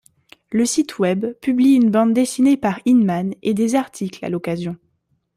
Le site Web publie une bande dessinée par Inman, et des articles à l'occasion.